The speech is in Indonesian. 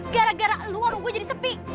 gara gara lu warung gua jadi sepi